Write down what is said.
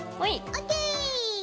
ＯＫ。